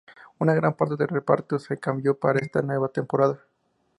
Una gran parte del reparto se cambió para esta nueva temporada.